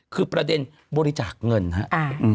คือประเด็นบริจาคเงินครับ